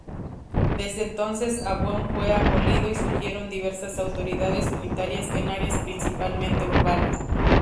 Desde entonces, Avon fue abolido y surgieron diversas autoridades unitarias en áreas principalmente urbanas.